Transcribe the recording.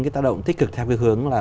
cái tác động tích cực theo cái hướng là